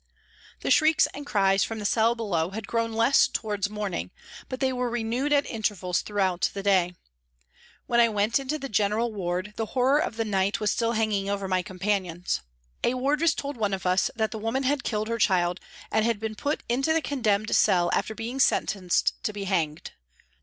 The shrieks and cries from the cell below had grown less towards morning, but they were renewed at intervals throughout the day. When I went into the general ward the horror of the night was still hanging over my companions. A wardress told one of us that the woman had killed her child and been put into the condemned cell after being sen tenced to be hanged.